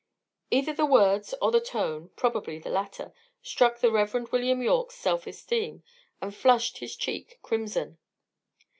Either the words or the tone, probably the latter, struck on the Rev. William Yorke's self esteem, and flushed his cheek crimson.